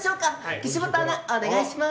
岸本アナ、お願いします。